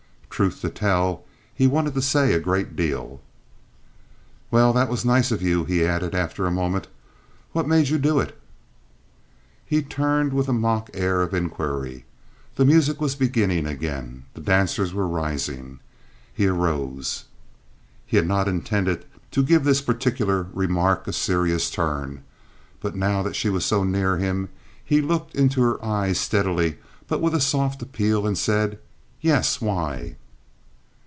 Truth to tell, he wanted to say a great deal. "Well, that was nice of you," he added, after a moment. "What made you do it?" He turned with a mock air of inquiry. The music was beginning again. The dancers were rising. He arose. He had not intended to give this particular remark a serious turn; but, now that she was so near him, he looked into her eyes steadily but with a soft appeal and said, "Yes, why?"